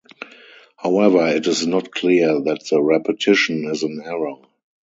However, it is not clear that the repetition is an error.